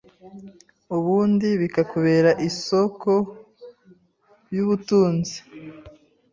ubundi bikakubera isôoko.yubutunzi..